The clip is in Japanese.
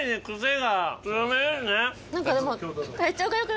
何かでも。